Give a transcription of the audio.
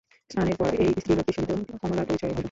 স্নানের পর এই স্ত্রীলোকটির সহিত কমলার পরিচয় হইল।